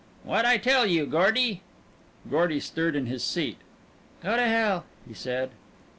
"What'd I tell you Gordy?" Gordon stirred in his seat. "Go to hell!" he said.